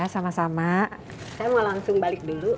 saya mau langsung balik dulu